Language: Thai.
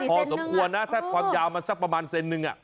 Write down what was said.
พอสมควรนะถ้าความยาวมันสักประมาณเซนนึง